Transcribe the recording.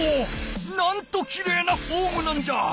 なんときれいなフォームなんじゃ。